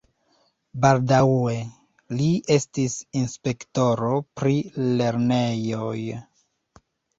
Baldaŭe li estis inspektoro pri lernejoj.